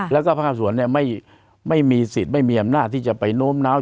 แล้วก็ภาคสวนไม่มีสิทธิ์ไม่มีอำนาจที่จะไปโน้มน้าว